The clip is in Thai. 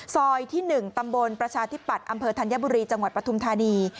ซอยที่๑ตำบลประชาธิปัตย์อำเภอธัญบุรีจังหวัดปฐุมธานี